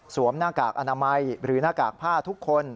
หน้ากากอนามัยหรือหน้ากากผ้าทุกคน